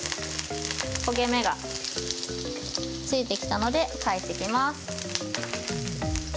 焦げ目がついてきたので、返していきます。